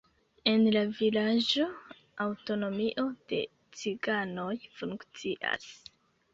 En la vilaĝo aŭtonomio de ciganoj funkcias.